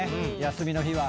休みの日は。